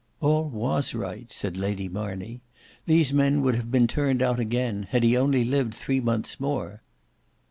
"All was right," said Lady Marney. "These men would have been turned out again, had he only lived three months more."